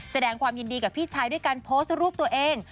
แสดงความยินดีกับพี่ชายด้วยการโพสต์รูปตัวเอง